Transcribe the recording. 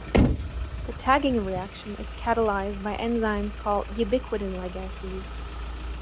The tagging reaction is catalyzed by enzymes called ubiquitin ligases.